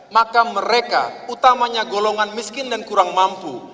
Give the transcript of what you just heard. maka mereka utamanya golongan miskin dan kurang mampu